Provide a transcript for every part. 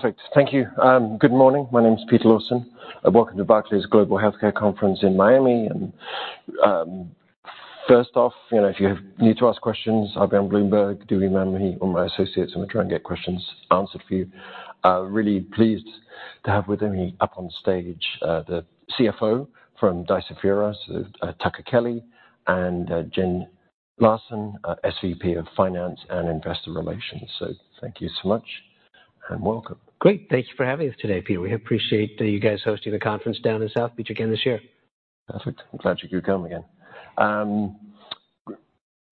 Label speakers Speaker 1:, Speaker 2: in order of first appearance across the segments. Speaker 1: Perfect. Thank you. Good morning. My name is Peter Lawson, and welcome to Barclays Global Healthcare Conference in Miami. First off, you know, if you have need to ask questions, I'll be on Bloomberg. Do remember me or my associates, and we'll try and get questions answered for you. Really pleased to have with me up on stage, the CFO from Deciphera, Tucker Kelly, and Jen Larson, SVP of Finance and Investor Relations. So thank you so much, and welcome.
Speaker 2: Great, thank you for having us today, Peter. We appreciate you guys hosting the conference down in South Beach again this year.
Speaker 1: Perfect. I'm glad you could come again.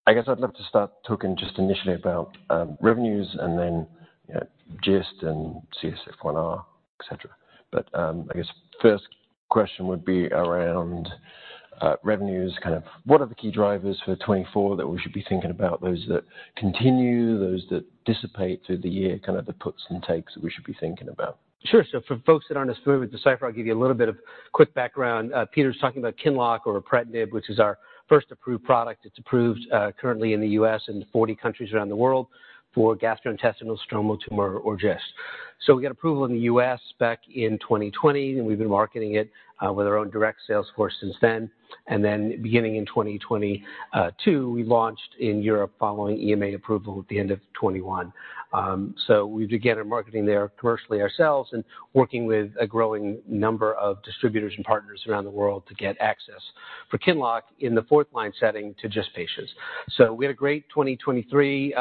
Speaker 1: I guess I'd love to start talking just initially about revenues and then GIST and CSF-1R, et cetera. But I guess first question would be around revenues. Kind of what are the key drivers for 2024 that we should be thinking about, those that continue, those that dissipate through the year, kind of the puts and takes that we should be thinking about?
Speaker 2: Sure. So for folks that aren't as familiar with Deciphera, I'll give you a little bit of quick background. Peter's talking about QINLOCK, or ripretinib, which is our first approved product. It's approved, currently in the U.S. and 40 countries around the world for gastrointestinal stromal tumor, or GIST. So we got approval in the U.S. back in 2020, and we've been marketing it, with our own direct sales force since then, and then beginning in 2022, we launched in Europe following EMA approval at the end of 2021. So we began our marketing there commercially ourselves and working with a growing number of distributors and partners around the world to get access for QINLOCK in the fourth-line setting to GIST patients. So we had a great 2023.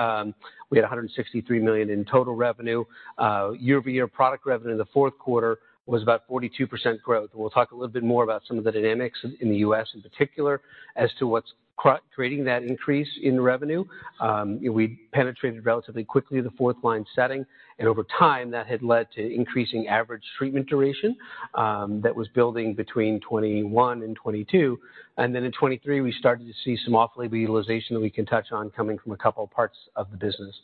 Speaker 2: We had $163 million in total revenue. Year-over-year product revenue in the fourth quarter was about 42% growth. We'll talk a little bit more about some of the dynamics in the U.S. in particular as to what's creating that increase in revenue. We penetrated relatively quickly the fourth line setting, and over time, that had led to increasing average treatment duration that was building between 2021 and 2022. And then in 2023, we started to see some off-label utilization that we can touch on coming from a couple of parts of the business.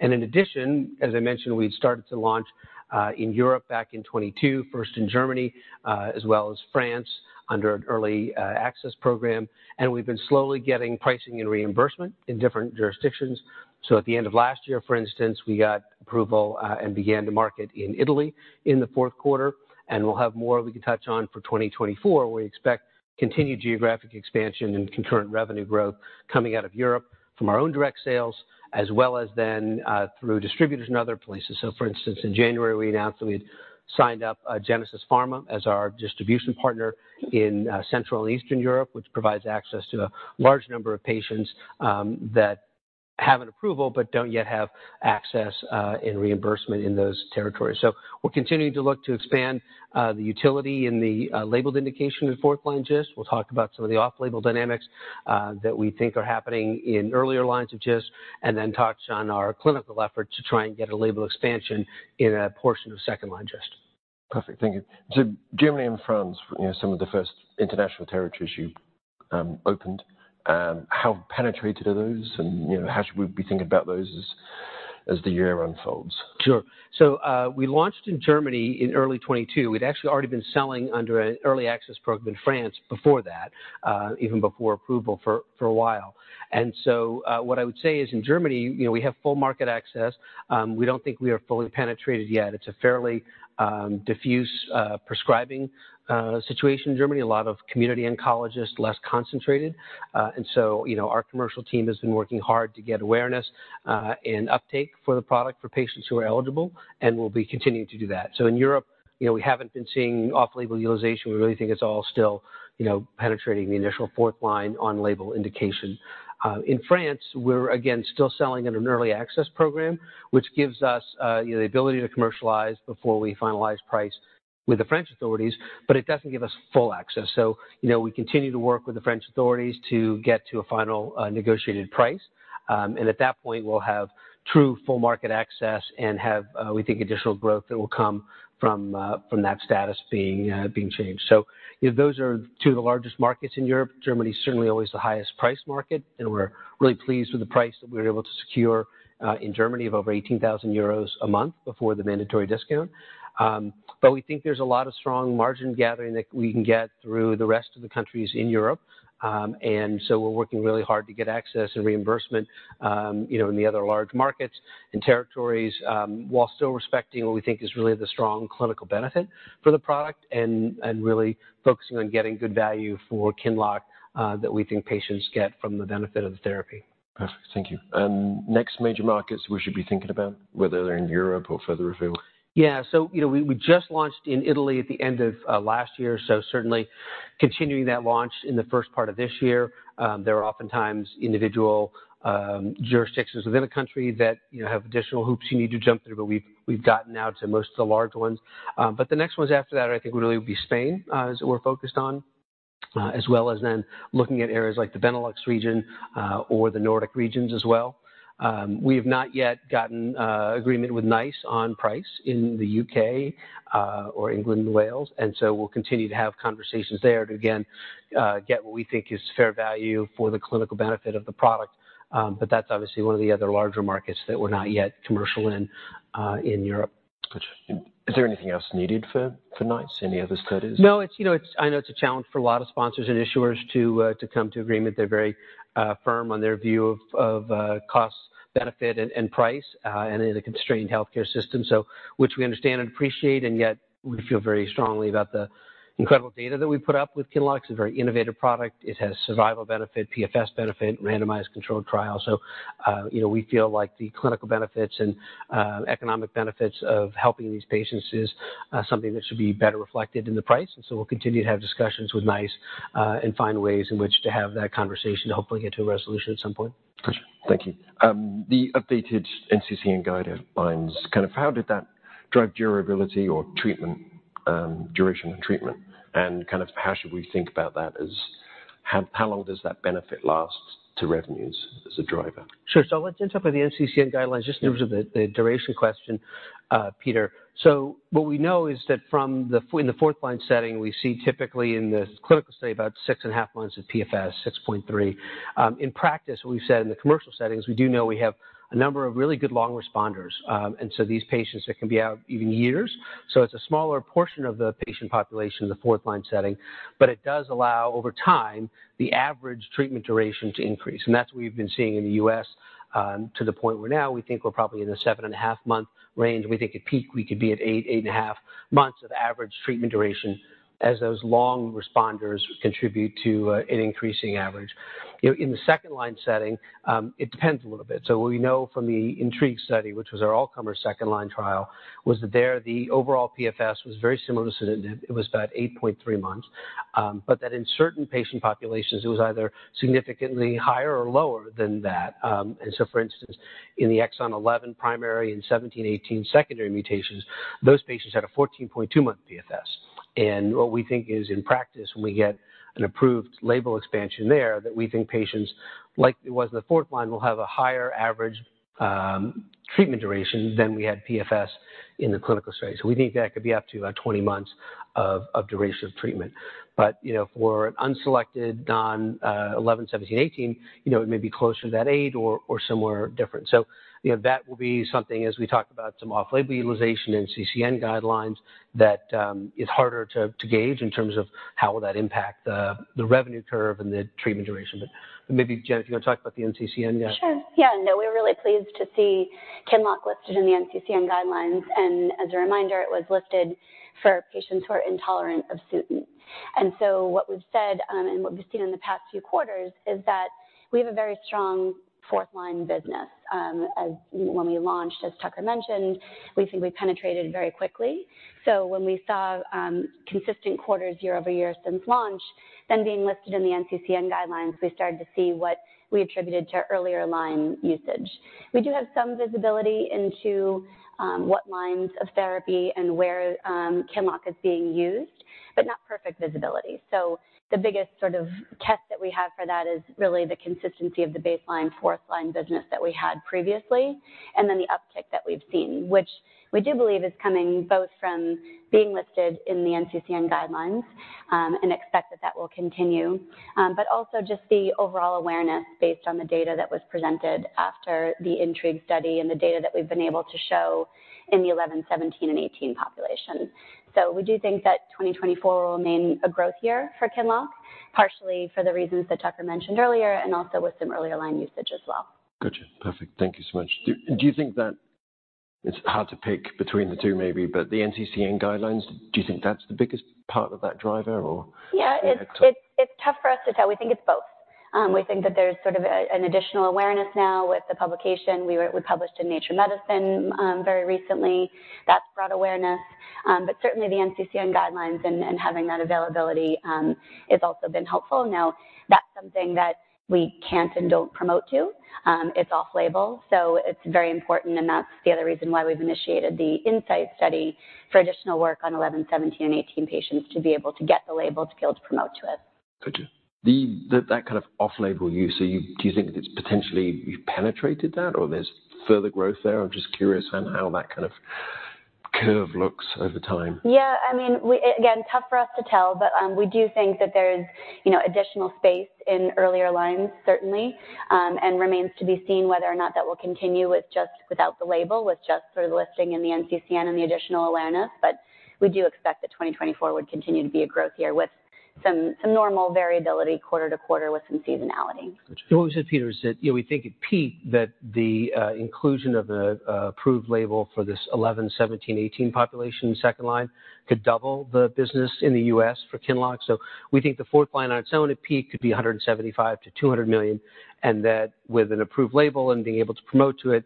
Speaker 2: And in addition, as I mentioned, we started to launch in Europe back in 2022, first in Germany as well as France, under an early access program, and we've been slowly getting pricing and reimbursement in different jurisdictions. So at the end of last year, for instance, we got approval and began to market in Italy in the fourth quarter, and we'll have more we can touch on for 2024, where we expect continued geographic expansion and concurrent revenue growth coming out of Europe from our own direct sales, as well as then through distributors and other places. So for instance, in January, we announced that we'd signed up Genesis Pharma as our distribution partner in Central and Eastern Europe, which provides access to a large number of patients that have an approval but don't yet have access and reimbursement in those territories. So we're continuing to look to expand the utility in the labeled indication in fourth-line GIST. We'll talk about some of the off-label dynamics that we think are happening in earlier lines of GIST, and then touch on our clinical effort to try and get a label expansion in a portion of second-line GIST.
Speaker 1: Perfect. Thank you. So Germany and France, you know, some of the first international territories you opened, how penetrated are those, and, you know, how should we be thinking about those as the year unfolds?
Speaker 2: Sure. So, we launched in Germany in early 2022. We'd actually already been selling under an early access program in France before that, even before approval for, for a while. And so, what I would say is, in Germany, you know, we have full market access. We don't think we are fully penetrated yet. It's a fairly, diffuse, prescribing, situation in Germany. A lot of community oncologists, less concentrated. And so, you know, our commercial team has been working hard to get awareness, and uptake for the product for patients who are eligible, and we'll be continuing to do that. So in Europe, you know, we haven't been seeing off-label utilization. We really think it's all still, you know, penetrating the initial fourth line on label indication. In France, we're again still selling in an early access program, which gives us the ability to commercialize before we finalize price with the French authorities, but it doesn't give us full access. So, you know, we continue to work with the French authorities to get to a final negotiated price, and at that point, we'll have true full market access and have, we think, additional growth that will come from from that status being being changed. So those are two of the largest markets in Europe. Germany is certainly always the highest priced market, and we're really pleased with the price that we were able to secure in Germany of over 18,000 euros a month before the mandatory discount. But we think there's a lot of strong margin gathering that we can get through the rest of the countries in Europe. And so we're working really hard to get access and reimbursement, you know, in the other large markets and territories, while still respecting what we think is really the strong clinical benefit for the product and, and really focusing on getting good value for QINLOCK, that we think patients get from the benefit of the therapy.
Speaker 1: Perfect. Thank you. Next major markets we should be thinking about, whether they're in Europe or further afield?
Speaker 2: Yeah. So, you know, we just launched in Italy at the end of last year, so certainly continuing that launch in the first part of this year. There are oftentimes individual jurisdictions within a country that, you know, have additional hoops you need to jump through, but we've gotten now to most of the large ones. But the next ones after that, I think, would really be Spain, as we're focused on, as well as then looking at areas like the Benelux region, or the Nordic regions as well. We've not yet gotten agreement with NICE on price in the U.K., or England and Wales, and so we'll continue to have conversations there to again get what we think is fair value for the clinical benefit of the product. But that's obviously one of the other larger markets that we're not yet commercial in in Europe.
Speaker 1: Gotcha. Thank you... Is there anything else needed for, for NICE? Any other studies?
Speaker 2: No, it's, you know, it's—I know it's a challenge for a lot of sponsors and issuers to come to agreement. They're very firm on their view of cost, benefit, and price, and in a constrained healthcare system, so which we understand and appreciate, and yet we feel very strongly about the incredible data that we put up with QINLOCK. It's a very innovative product. It has survival benefit, PFS benefit, randomized controlled trial. So, you know, we feel like the clinical benefits and economic benefits of helping these patients is something that should be better reflected in the price. And so we'll continue to have discussions with NICE and find ways in which to have that conversation to hopefully get to a resolution at some point.
Speaker 1: Gotcha. Thank you. The updated NCCN guidelines, kind of how did that drive durability or treatment, duration of treatment? And kind of how should we think about that as how, how long does that benefit last to revenues as a driver?
Speaker 2: Sure. So I'd like to interpret the NCCN guidelines, just in terms of the duration question, Peter. So what we know is that in the fourth line setting, we see typically in the clinical study, about 6.5 months of PFS, 6.3. In practice, what we've said in the commercial settings, we do know we have a number of really good long responders. And so these patients, they can be out even years. So it's a smaller portion of the patient population in the fourth line setting, but it does allow, over time, the average treatment duration to increase. And that's what we've been seeing in the U.S., to the point where now we think we're probably in the 7.5-month range. We think at peak, we could be at eight to 8.5 months of average treatment duration as those long responders contribute to an increasing average. You know, in the second-line setting, it depends a little bit. So what we know from the INTRIGUE study, which was our all-comer second-line trial, was that there, the overall PFS was very similar to sunitinib. It was about 8.3 months. But that in certain patient populations, it was either significantly higher or lower than that. And so for instance, in the exon 11 primary and 17, 18 secondary mutations, those patients had a 14.2-month PFS. And what we think is, in practice, when we get an approved label expansion there, that we think patients, like it was in the fourth line, will have a higher average treatment duration than we had PFS in the clinical study. So we think that could be up to about 20 months of duration of treatment. But, you know, for an unselected non eleven, seventeen, eighteen, you know, it may be closer to that eight or somewhere different. So, you know, that will be something as we talk about some off-label utilization NCCN guidelines, that is harder to gauge in terms of how will that impact the revenue curve and the treatment duration. But maybe, Jen, if you want to talk about the NCCN guidelines?
Speaker 3: Sure. Yeah, no, we're really pleased to see QINLOCK listed in the NCCN guidelines, and as a reminder, it was listed for patients who are intolerant of sunitinib. And so what we've said, and what we've seen in the past few quarters is that we have a very strong fourth line business. As when we launched, as Tucker mentioned, we think we penetrated very quickly. So when we saw consistent quarters year-over-year since launch, then being listed in the NCCN guidelines, we started to see what we attributed to earlier line usage. We do have some visibility into what lines of therapy and where QINLOCK is being used, but not perfect visibility. So the biggest sort of test that we have for that is really the consistency of the baseline, fourth line business that we had previously, and then the uptick that we've seen, which we do believe is coming both from being listed in the NCCN guidelines, and expect that that will continue. But also just the overall awareness based on the data that was presented after the INTRIGUE study and the data that we've been able to show in the 11, 17, and 18 population. So we do think that 2024 will remain a growth year for QINLOCK, partially for the reasons that Tucker mentioned earlier, and also with some earlier line usage as well.
Speaker 1: Gotcha. Perfect. Thank you so much. Do you think that it's hard to pick between the two, maybe, but the NCCN guidelines, do you think that's the biggest part of that driver or?
Speaker 3: Yeah, it's tough for us to tell. We think it's both. We think that there's sort of a, an additional awareness now with the publication. We published in Nature Medicine very recently. That's brought awareness, but certainly the NCCN guidelines and having that availability has also been helpful. Now, that's something that we can't and don't promote to. It's off-label, so it's very important, and that's the other reason why we've initiated the INSIGHT study for additional work on 11, 17, and 18 patients to be able to get the label to be able to promote to it.
Speaker 1: Gotcha. That kind of off-label use, so do you think it's potentially you've penetrated that or there's further growth there? I'm just curious on how that kind of curve looks over time.
Speaker 3: Yeah, I mean, we, again, tough for us to tell, but we do think that there's, you know, additional space in earlier lines, certainly. Remains to be seen whether or not that will continue with just, without the label, with just sort of the listing in the NCCN and the additional awareness. But we do expect that 2024 would continue to be a growth year with some, some normal variability quarter to quarter with some seasonality.
Speaker 1: Gotcha.
Speaker 2: What we said, Peter, is that, you know, we think at peak, that the inclusion of the approved label for this eleven, seventeen, eighteen population second line could double the business in the U.S. for QINLOCK. So we think the fourth line on its own, at peak, could be $175 million-$200 million, and that with an approved label and being able to promote to it,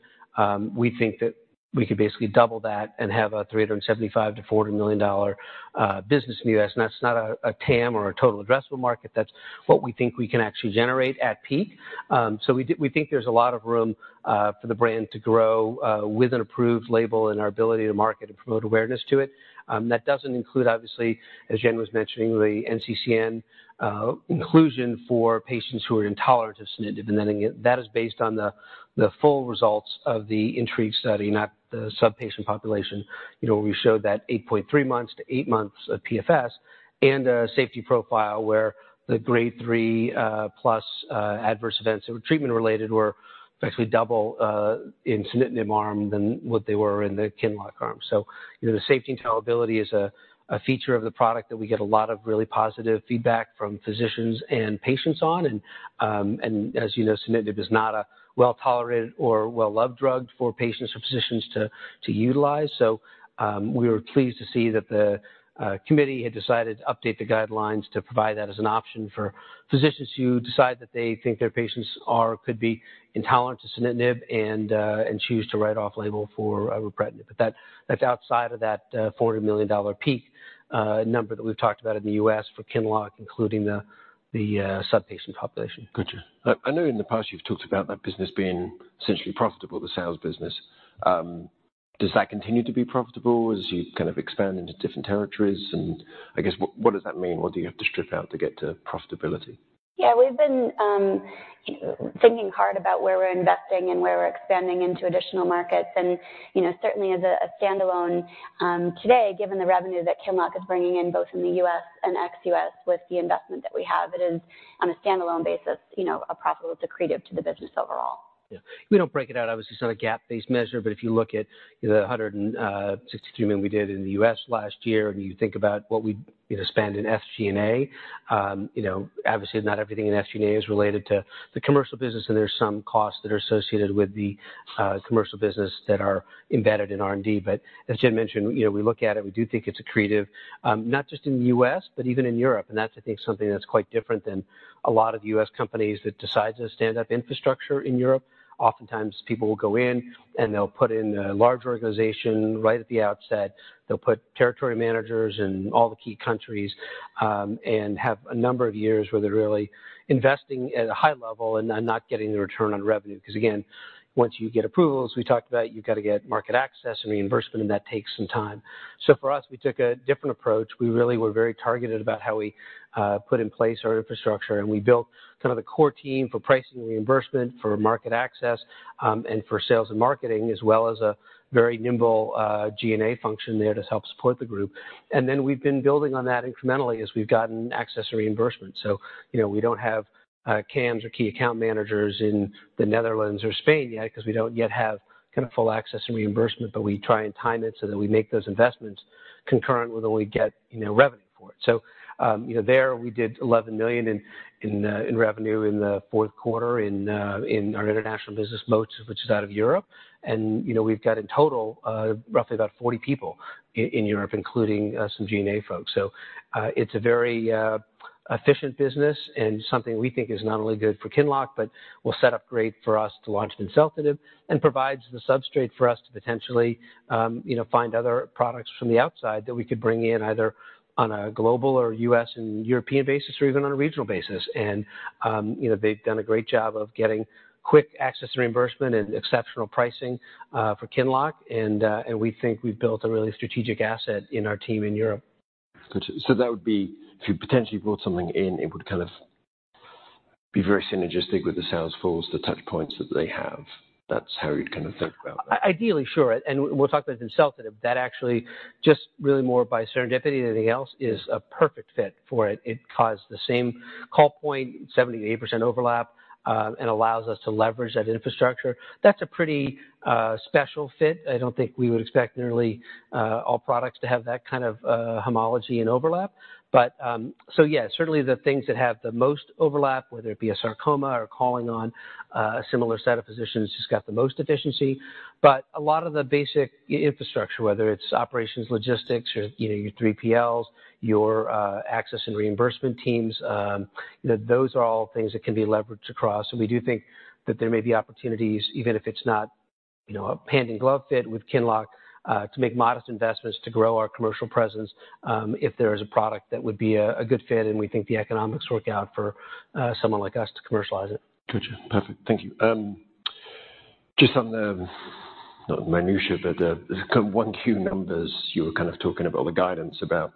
Speaker 2: we think that we could basically double that and have a $375 million-$400 million business in the U.S. And that's not a TAM or a total addressable market. That's what we think we can actually generate at peak. So we think there's a lot of room for the brand to grow with an approved label and our ability to market and promote awareness to it. That doesn't include, obviously, as Jen was mentioning, the NCCN inclusion for patients who are intolerant of sunitinib. And then again, that is based on the full results of the INTRIGUE study, not the sub-patient population. You know, we showed that 8.3 to eight months of PFS and a safety profile where the grade 3+ adverse events that were treatment-related were actually double in sunitinib arm than what they were in the QINLOCK arm. So, you know, the safety tolerability is a feature of the product that we get a lot of really positive feedback from physicians and patients on. As you know, sunitinib is not a well-tolerated or well-loved drug for patients or physicians to utilize. So, we were pleased to see that the committee had decided to update the guidelines to provide that as an option for physicians who decide that they think their patients could be intolerant to sunitinib and choose to write off-label for ripretinib. But that's outside of that $40 million peak number that we've talked about in the U.S. for QINLOCK, including the subpopulation.
Speaker 1: Gotcha. I, I know in the past you've talked about that business being essentially profitable, the sales business. Does that continue to be profitable as you kind of expand into different territories? And I guess, what, what does that mean? What do you have to strip out to get to profitability?
Speaker 3: Yeah, we've been thinking hard about where we're investing and where we're expanding into additional markets. You know, certainly as a standalone today, given the revenue that QINLOCK is bringing in, both in the U.S. and ex-U.S., with the investment that we have, it is, on a standalone basis, a profitable accretive to the business overall.
Speaker 2: Yeah. We don't break it out, obviously, it's not a GAAP-based measure, but if you look at the $163 million we did in the U.S. last year, and you think about what we, you know, spend in SG&A, you know, obviously, not everything in SG&A is related to the commercial business, and there's some costs that are associated with the commercial business that are embedded in R&D. But as Jen mentioned, you know, we look at it, we do think it's accretive, not just in the U.S., but even in Europe. And that's, I think, something that's quite different than a lot of U.S. companies that decide to stand up infrastructure in Europe. Oftentimes, people will go in, and they'll put in a large organization right at the outset. They'll put territory managers in all the key countries, and have a number of years where they're really investing at a high level and, and not getting the return on revenue. Because, again, once you get approvals, we talked about, you've got to get market access and reimbursement, and that takes some time. So for us, we took a different approach. We really were very targeted about how we put in place our infrastructure, and we built kind of the core team for pricing and reimbursement, for market access, and for sales and marketing, as well as a very nimble G&A function there to help support the group. And then we've been building on that incrementally as we've gotten access to reimbursement. So, you know, we don't have KAMs or key account managers in the Netherlands or Spain yet because we don't yet have kind of full access and reimbursement, but we try and time it so that we make those investments concurrent with when we get, you know, revenue for it. So, you know, there, we did $11 million in revenue in the fourth quarter in our international business most, which is out of Europe. And, you know, we've got in total roughly about 40 people in Europe, including some G&A folks. So, it's a very efficient business and something we think is not only good for QINLOCK, but will set up great for us to launch vimseltinib and provides the substrate for us to potentially, you know, find other products from the outside that we could bring in, either on a global or U.S. and European basis or even on a regional basis. And, you know, they've done a great job of getting quick access to reimbursement and exceptional pricing for QINLOCK, and we think we've built a really strategic asset in our team in Europe.
Speaker 1: Got you. So that would be, if you potentially brought something in, it would kind of be very synergistic with the sales force, the touch points that they have. That's how you kind of think about that?
Speaker 2: Ideally, sure, and we'll talk about the INTRIGUE, that actually just really more by serendipity than anything else, is a perfect fit for it. It caused the same call point, 78% overlap, and allows us to leverage that infrastructure. That's a pretty special fit. I don't think we would expect nearly all products to have that kind of homology and overlap. But so yeah, certainly the things that have the most overlap, whether it be a sarcoma or calling on a similar set of physicians, just got the most efficiency. But a lot of the basic infrastructure, whether it's operations, logistics, or, you know, your 3PLs, your access and reimbursement teams, you know, those are all things that can be leveraged across. So we do think that there may be opportunities, even if it's not, you know, a hand-in-glove fit with QINLOCK, to make modest investments to grow our commercial presence, if there is a product that would be a, a good fit, and we think the economics work out for, someone like us to commercialize it.
Speaker 1: Gotcha. Perfect. Thank you. Just on the, not minutiae, but the kind of 1Q numbers, you were kind of talking about all the guidance about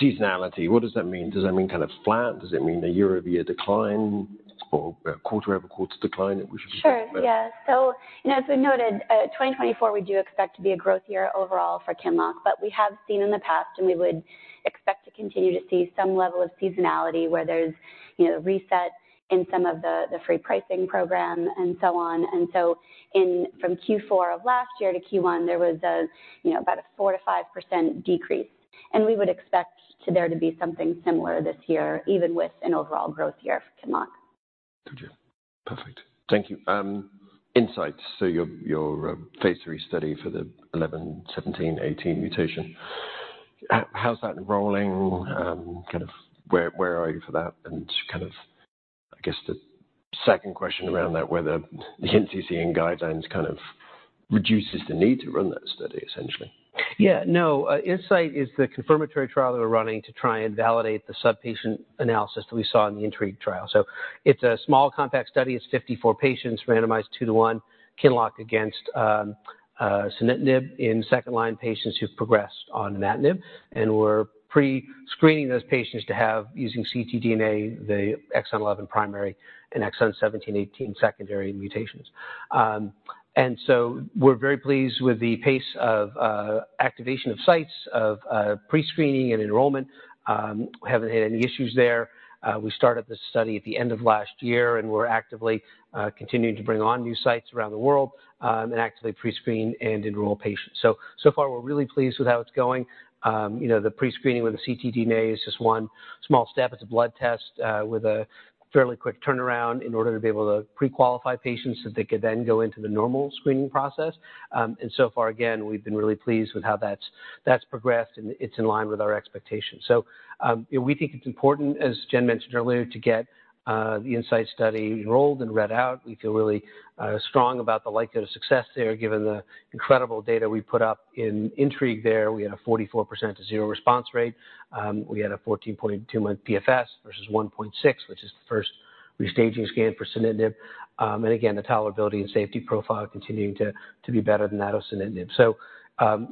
Speaker 1: seasonality. What does that mean? Does that mean kind of flat? Does it mean a year-over-year decline or quarter-over-quarter decline, we should-
Speaker 3: Sure, yeah. So, as we noted, 2024, we do expect to be a growth year overall for QINLOCK, but we have seen in the past, and we would expect to continue to see some level of seasonality where there's, you know, reset in some of the, the free pricing program and so on. And so in—from Q4 of last year to Q1, there was a, you know, about a 4%-5% decrease, and we would expect to there to be something similar this year, even with an overall growth year for QINLOCK.
Speaker 1: Got you. Perfect. Thank you. Insight, so your phase III study for the 11, 17, 18 mutation. How's that rolling? Kind of where are you for that? And kind of, I guess the second question around that, whether the NCCN guidelines kind of reduces the need to run that study, essentially.
Speaker 2: Yeah, no, INSIGHT is the confirmatory trial that we're running to try and validate the subpopulation analysis that we saw in the INTRIGUE trial. So it's a small compact study. It's 54 patients, randomized 2:1, QINLOCK against sunitinib in second-line patients who've progressed on imatinib. And we're prescreening those patients to have, using ctDNA, the exon 11 primary and exon 17, 18 secondary mutations. And so we're very pleased with the pace of activation of sites, of prescreening and enrollment. We haven't had any issues there. We started this study at the end of last year, and we're actively continuing to bring on new sites around the world, and actively prescreen and enroll patients. So, so far, we're really pleased with how it's going. You know, the prescreening with the ctDNA is just one small step. It's a blood test with a fairly quick turnaround in order to be able to prequalify patients so they could then go into the normal screening process. And so far, again, we've been really pleased with how that's progressed, and it's in line with our expectations. So, we think it's important, as Jen mentioned earlier, to get the INSIGHT study enrolled and read out. We feel really strong about the likelihood of success there, given the incredible data we put up in INTRIGUE there. We had a 44% to zero response rate. We had a 14.2-month PFS versus 1.6, which is the first restaging scan for sunitinib. And again, the tolerability and safety profile continuing to be better than that of sunitinib. So,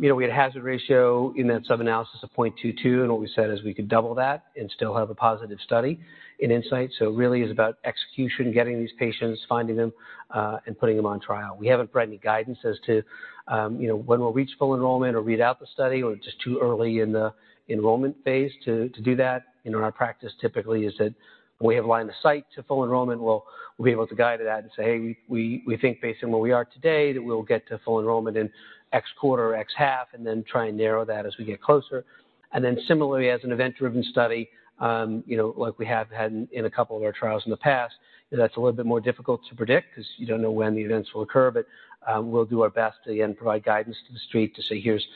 Speaker 2: you know, we had a hazard ratio in that sub-analysis of 0.22, and what we said is we could double that and still have a positive study in INSIGHT. So it really is about execution, getting these patients, finding them, and putting them on trial. We haven't provided any guidance as to, you know, when we'll reach full enrollment or read out the study, or just too early in the enrollment phase to do that. You know, our practice typically is that we have line of sight to full enrollment. We'll be able to guide to that and say, "Hey, we think based on where we are today, that we'll get to full enrollment in X quarter or X half," and then try and narrow that as we get closer. Similarly, as an event-driven study, you know, like we have had in a couple of our trials in the past, that's a little bit more difficult to predict because you don't know when the events will occur, but we'll do our best to, again, provide guidance to the street to say, "Here's,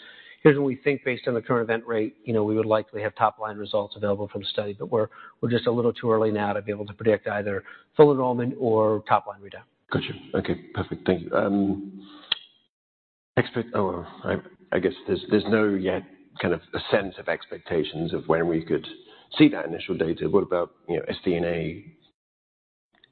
Speaker 2: here's what we think based on the current event rate, you know, we would likely have top-line results available from the study." But we're, we're just a little too early now to be able to predict either full enrollment or top-line readout.
Speaker 1: Got you. Okay, perfect. Thank you. I guess there's no yet kind of a sense of expectations of when we could see that initial data. What about, you know, sNDA?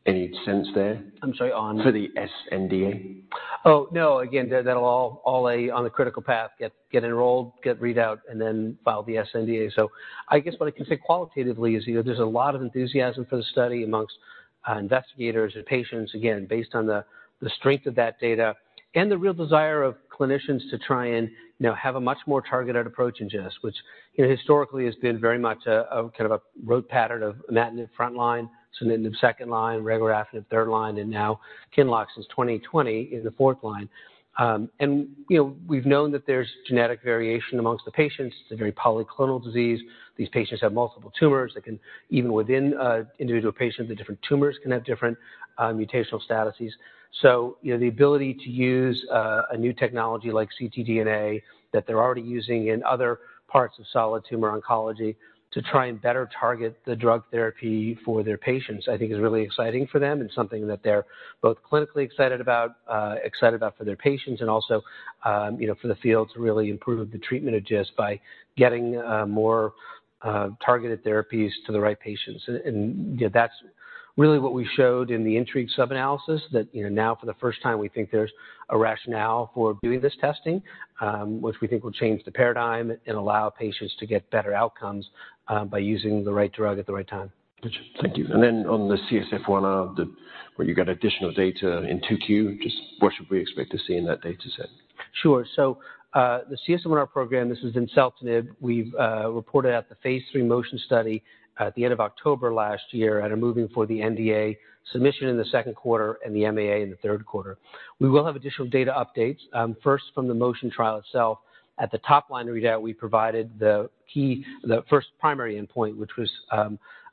Speaker 1: Any sense there?
Speaker 2: I'm sorry, on?
Speaker 1: For the SNDA.
Speaker 2: Oh, no, again, that'll all be on the critical path, get enrolled, get readout, and then file the sNDA. So I guess what I can say qualitatively is, you know, there's a lot of enthusiasm for the study amongst investigators and patients, again, based on the strength of that data and the real desire of clinicians to try and, you know, have a much more targeted approach in GIST, which, you know, historically has been very much a kind of a road pattern of imatinib frontline, sunitinib second line, regorafenib third line, and now QINLOCK since 2020 in the fourth line. And, you know, we've known that there's genetic variation amongst the patients. It's a very polyclonal disease. These patients have multiple tumors that can, even within individual patients, the different tumors can have different mutational statuses. So you know, the ability to use a new technology like ctDNA that they're already using in other parts of solid tumor oncology to try and better target the drug therapy for their patients, I think is really exciting for them and something that they're both clinically excited about, excited about for their patients and also, you know, for the field to really improve the treatment of GIST by getting more targeted therapies to the right patients. And you know, that's really what we showed in the INTRIGUE sub-analysis that, you know, now for the first time, we think there's a rationale for doing this testing, which we think will change the paradigm and allow patients to get better outcomes by using the right drug at the right time.
Speaker 1: Got you. Thank you. And then on the CSF-1R, the, where you got additional data in 2Q, just what should we expect to see in that data set?
Speaker 2: Sure. So, the CSF-1R program, this is vimseltinib. We've reported out the phase III MOTION study at the end of October last year and are moving for the NDA submission in the second quarter and the MAA in the third quarter. We will have additional data updates, first from the MOTION trial itself. At the top-line readout, we provided the key, the first primary endpoint, which was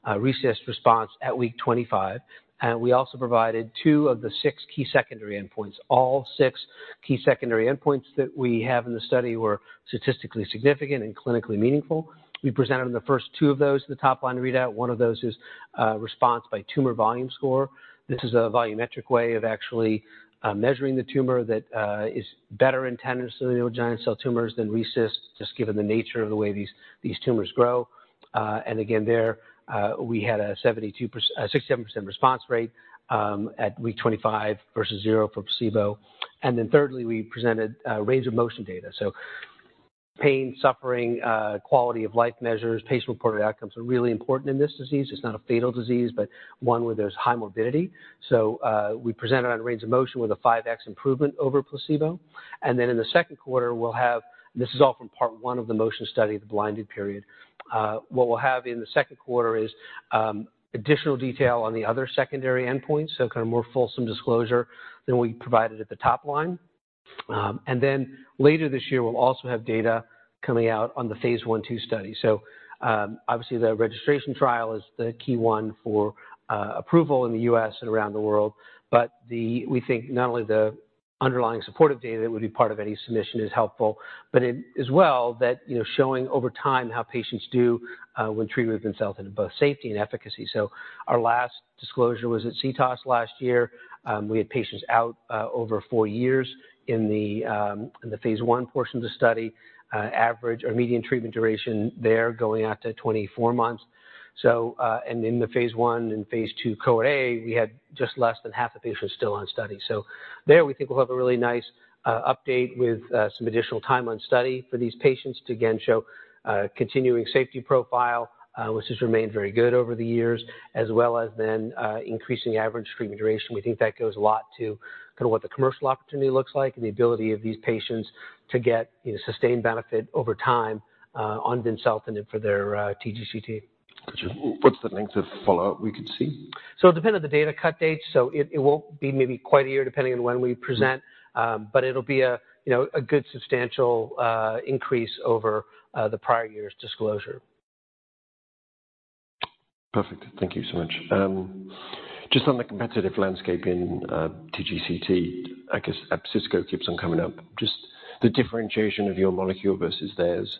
Speaker 2: a RECIST response at week 25, and we also provided two of the six key secondary endpoints. All six key secondary endpoints that we have in the study were statistically significant and clinically meaningful. We presented in the first two of those, the top-line readout. One of those is response by tumor volume score. This is a volumetric way of actually measuring the tumor that is better in tenosynovial giant cell tumors than RECIST, just given the nature of the way these, these tumors grow. And again, there, we had a 67% response rate at week 25 versus zero for placebo. And then thirdly, we presented range of motion data. So pain, suffering, quality of life measures, patient-reported outcomes are really important in this disease. It's not a fatal disease, but one where there's high morbidity. So we presented on range of motion with a 5x improvement over placebo. And then in the second quarter, we'll have... This is all from part one of the MOTION study, the blinded period. What we'll have in the second quarter is, additional detail on the other secondary endpoints, so kind of more fulsome disclosure than we provided at the top line. And then later this year, we'll also have data coming out on the phase I/II study. So, obviously, the registration trial is the key one for, approval in the U.S. and around the world, but we think not only the underlying supportive data that would be part of any submission is helpful, but it as well, that, you know, showing over time how patients do, when treated with themselves in both safety and efficacy. So our last disclosure was at CTOS last year. We had patients out, over four years in the, in the phase I portion of the study, average or median treatment duration there going out to 24 months. So, and in the phase I and phase II Cohort A, we had just less than half the patients still on study. So there we think we'll have a really nice update with some additional time on study for these patients to again show continuing safety profile, which has remained very good over the years, as well as then increasing average treatment duration. We think that goes a lot to kind of what the commercial opportunity looks like and the ability of these patients to get, you know, sustained benefit over time on vimseltinib for their TGCT.
Speaker 1: Got you. What's the length of follow-up we could see?
Speaker 2: So it depends on the data cut date, so it won't be maybe quite a year, depending on when we present. But it'll be a, you know, a good substantial increase over the prior year's disclosure.
Speaker 1: Perfect. Thank you so much. Just on the competitive landscape in TGCT, I guess Abbisko keeps on coming up. Just the differentiation of your molecule versus theirs?...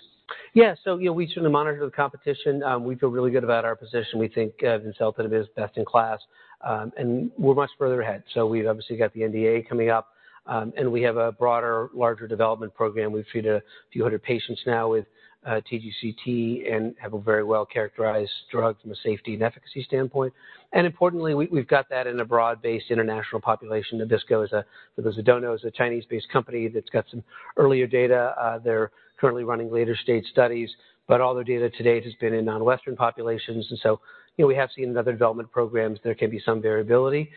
Speaker 2: Yeah, so, you know, we sort of monitor the competition. We feel really good about our position. We think, vimseltinib is best in class, and we're much further ahead. So we've obviously got the NDA coming up, and we have a broader, larger development program. We've treated a few hundred patients now with TGCT and have a very well-characterized drug from a safety and efficacy standpoint. And importantly, we've got that in a broad-based international population. Abbisko, for those who don't know, is a Chinese-based company that's got some earlier data. They're currently running later-stage studies, but all their data to date has been in non-Western populations. And so, you know, we have seen in other development programs there can be some variability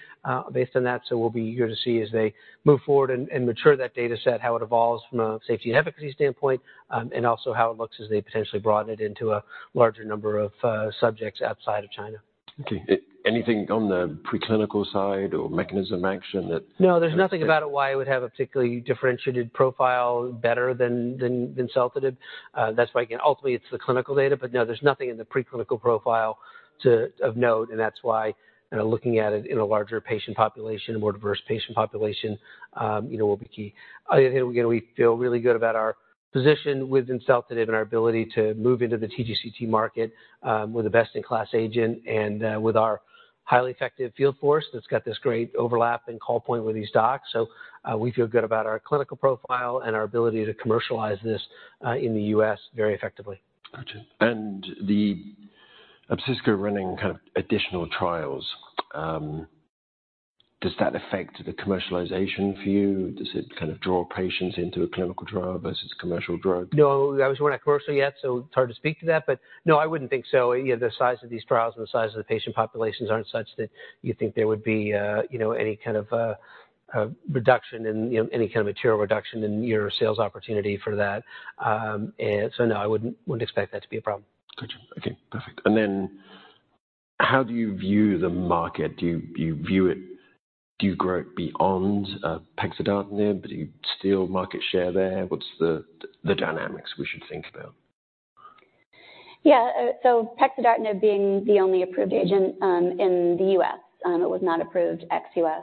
Speaker 2: based on that. So we'll be eager to see as they move forward and mature that data set, how it evolves from a safety and efficacy standpoint, and also how it looks as they potentially broaden it into a larger number of subjects outside of China.
Speaker 1: Okay. Anything on the preclinical side or mechanism action that-
Speaker 2: No, there's nothing about it why it would have a particularly differentiated profile better than vimseltinib. That's why, again, ultimately, it's the clinical data, but no, there's nothing in the preclinical profile of note, and that's why, you know, looking at it in a larger patient population, a more diverse patient population, you know, will be key. Again, we feel really good about our position with vimseltinib and our ability to move into the TGCT market with a best-in-class agent and with our highly effective field force that's got this great overlap and call point with these docs. So, we feel good about our clinical profile and our ability to commercialize this in the U.S. very effectively.
Speaker 1: Gotcha. And the... Abbisko running kind of additional trials. Does that affect the commercialization for you? Does it kind of draw patients into a clinical trial versus commercial drug?
Speaker 2: No, those were not commercial yet, so it's hard to speak to that. But no, I wouldn't think so. Yeah, the size of these trials and the size of the patient populations aren't such that you think there would be, you know, any kind of reduction in, you know, any kind of material reduction in your sales opportunity for that. And so, no, I wouldn't expect that to be a problem.
Speaker 1: Gotcha. Okay, perfect. And then how do you view the market? Do you view it, do you grow it beyond pexidartinib, but you steal market share there? What's the dynamics we should think about?
Speaker 3: Yeah. So pexidartinib being the only approved agent, in the U.S., it was not approved ex-U.S.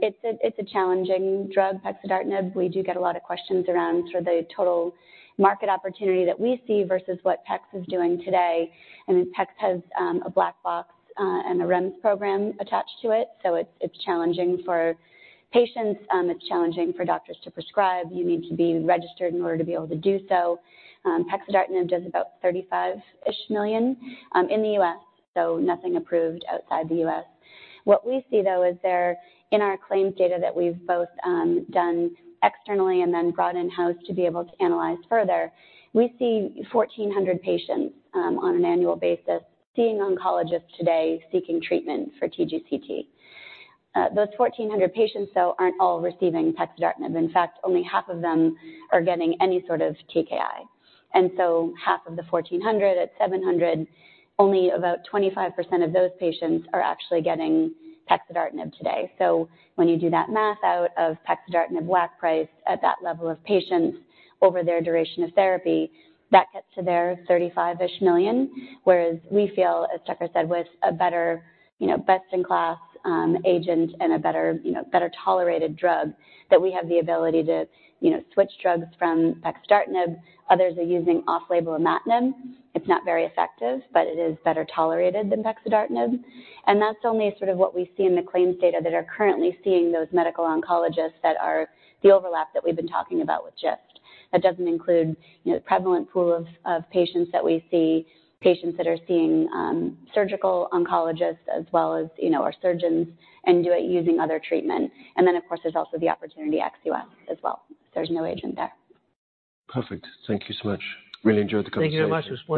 Speaker 3: It's a, it's a challenging drug, pexidartinib. We do get a lot of questions around sort of the total market opportunity that we see versus what PEX is doing today. And PEX has, a black box, and a REMS program attached to it, so it's, it's challenging for patients, it's challenging for doctors to prescribe. You need to be registered in order to be able to do so. Pexidartinib does about $35 million-ish, in the U.S., so nothing approved outside the U.S. What we see, though, is there in our claims data that we've both, done externally and then brought in-house to be able to analyze further, we see 1,400 patients, on an annual basis, seeing oncologists today seeking treatment for TGCT. Those 1,400 patients, though, aren't all receiving pexidartinib. In fact, only half of them are getting any sort of TKI. And so half of the 1,400, at 700, only about 25% of those patients are actually getting pexidartinib today. So when you do that math out of pexidartinib WAC price at that level of patients over their duration of therapy, that gets to their $35 million-ish. Whereas we feel, as Tucker said, with a better, you know, best-in-class, agent and a better, you know, better-tolerated drug, that we have the ability to, you know, switch drugs from pexidartinib. Others are using off-label imatinib. It's not very effective, but it is better tolerated than pexidartinib. And that's only sort of what we see in the claims data that we're currently seeing those medical oncologists that are the overlap that we've been talking about with GIST. That doesn't include, you know, the prevalent pool of patients that we see, patients that are seeing surgical oncologists as well as, you know, our surgeons, and do it using other treatment. And then, of course, there's also the opportunity ex-U.S. as well. There's no agent there.
Speaker 1: Perfect. Thank you so much. Really enjoyed the conversation.
Speaker 2: Thank you very much. It was a pleasure.